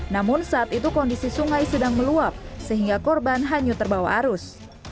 namun saat itu kondisi sungai sedang meluap sehingga korban hanyut terbawa arus